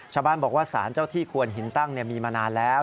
ชาวบ้านบอกว่าสารเจ้าที่ควนหินตั้งมีมานานแล้ว